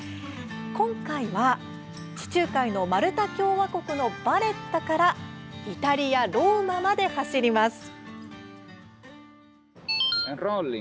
今回は、地中海のマルタ共和国のヴァレッタからイタリア・ローマまで走ります。